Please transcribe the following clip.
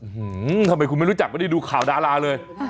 ทำไมคุณไม่รู้จักไม่ได้ดูข่าวดาราเลย